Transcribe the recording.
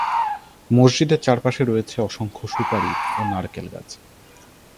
মসজিদের চারপাশে রয়েছে অসংখ্য সুপারি ও নারকেল গাছ।